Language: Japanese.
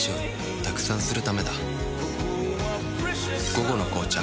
「午後の紅茶」